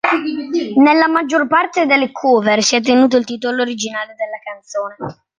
Nella maggior parte delle cover si è tenuto il titolo originale della canzone.